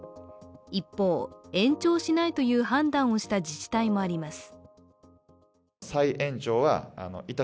一方、延長しないという判断をした自治体もあります。